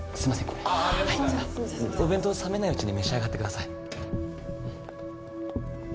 これお弁当冷めないうちに召し上がってください